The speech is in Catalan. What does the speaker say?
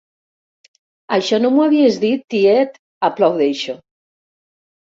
Això no m'ho havies dit, tiet! —aplaudeixo.